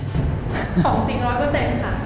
ของจริง๑๐๐ค่ะ